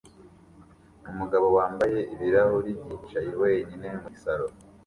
Umugabo wambaye ibirahuri yicaye wenyine muri salo